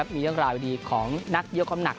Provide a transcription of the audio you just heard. มีเรื่องราวดีของนักยกคำหนัก